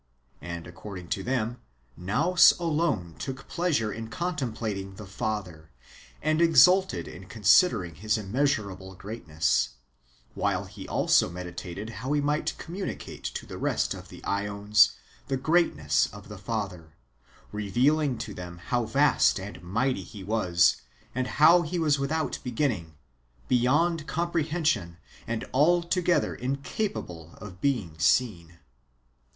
And, according to them, Nous alone took pleasure in contemplating the Father, and exulted in considering his immeasurable greatness ; while he also meditated how he mio; ht communicate to the rest of the ^ons the greatness of the Father, revealing to them how vast and mighty he was, and how he was without beginning, — beyond comprehension, and altogether incapable of being seen.